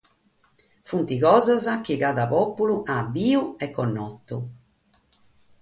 Sunt cosas chi cada pòpulu at bidu e connotu.